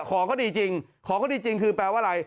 ของเขาดีจริงของเขาดีจริงคือแปลว่าอะไร